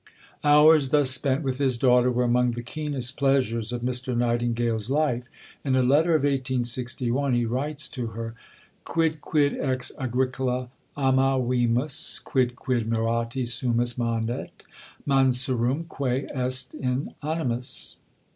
Hours thus spent with his daughter were among the keenest pleasures of Mr. Nightingale's life. In a letter of 1861 he writes to her: "'Quidquid ex Agricola amavimus, quidquid mirati sumus manet mansurumque est in animis.'